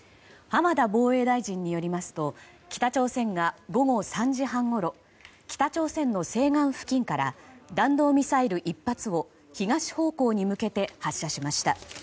浜田防衛大臣によりますと北朝鮮が午後３時半ごろ北朝鮮の西岸付近から弾道ミサイル１発を東方向に向けて発射しました。